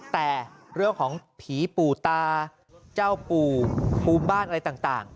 แต่เรื่องของผีปู่ตาเจ้าปู่ภูมิบ้านอะไรต่าง